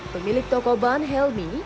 pemilik toko ban helmy